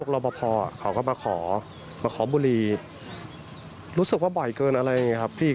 รอปภเขาก็มาขอบุรีรู้สึกว่าบ่อยเกินอะไร